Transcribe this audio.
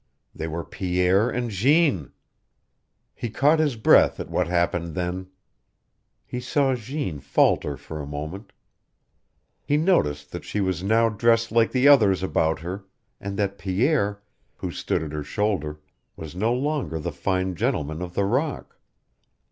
They were Pierre and Jeanne! He caught his breath at what happened then. He saw Jeanne falter for a moment. He noticed that she was now dressed like the others about her, and that Pierre, who stood at her shoulder, was no longer the fine gentleman of the rock.